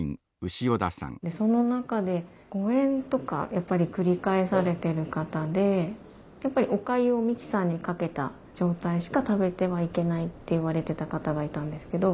その中で誤えんとかやっぱり繰り返されてる方でやっぱりおかゆをミキサーにかけた状態しか食べてはいけないって言われてた方がいたんですけど。